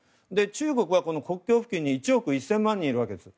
中国は国境付近に１億１０００万人いるんです。